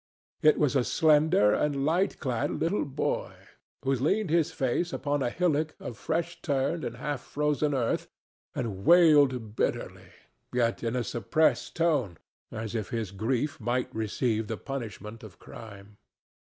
It was a slender and light clad little boy who leaned his face upon a hillock of fresh turned and half frozen earth and wailed bitterly, yet in a suppressed tone, as if his grief might receive the punishment of crime.